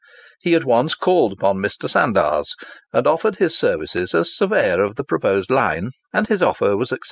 He at once called upon Mr. Sandars, and offered his services as surveyor of the proposed line, and his offer was accepted.